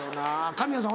神谷さん